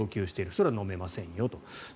それはのめませんよと。